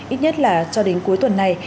ít nhất là cho đến cuối tuần này